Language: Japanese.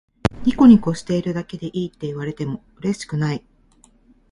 ニコニコしているだけでいいって言われてもうれしくない